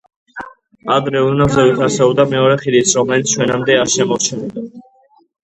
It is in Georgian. ადრე ოდნავ ზევით არსებობდა მეორე ხიდიც, რომელიც ჩვენამდე არ შემორჩენილა.